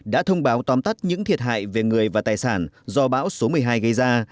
đã thông báo tóm tắt những thiệt hại về người và tài sản do bão số một mươi hai gây ra